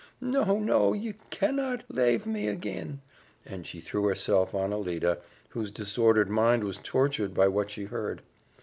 No, no; ye cannot lave me ag'in," and she threw herself on Alida, whose disordered mind was tortured by what she heard.